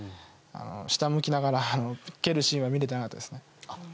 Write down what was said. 下を向きながら蹴るシーンは見れてなかったです。